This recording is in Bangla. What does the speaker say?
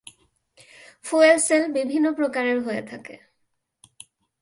ফুয়েল সেল বিভিন্ন প্রকারের হয়ে থাকে।